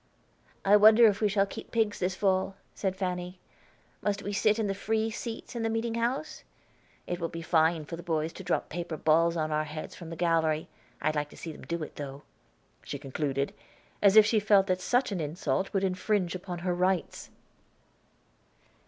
"I wonder if we shall keep pigs this fall?" said Fanny. "Must we sit in the free seats in the meeting house? It will be fine for the boys to drop paper balls on our heads from the gallery. I'd like to see them do it, though," she concluded, as if she felt that such an insult would infringe upon her rights.